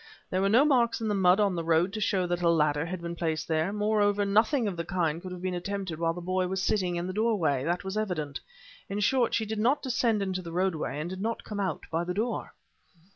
There were no marks in the mud of the road to show that a ladder had been placed there; moreover, nothing of the kind could have been attempted whilst the boy was sitting in the doorway; that was evident. In short, she did not descend into the roadway and did not come out by the door..."